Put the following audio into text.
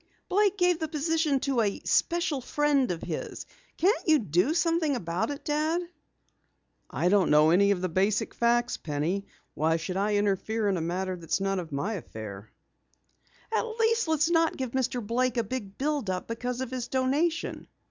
"Blake gave the position to a special friend of his. Can't you do something about it, Dad?" "I don't know any of the basic facts, Penny. Why should I interfere in a matter which is none of my affair?" "At least let's not give Mr. Blake a big build up because of his donation."